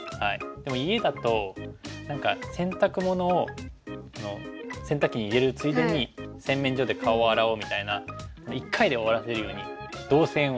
でも家だと何か洗濯物を洗濯機に入れるついでに洗面所で顔を洗おうみたいな一回で終わらせるように動線を。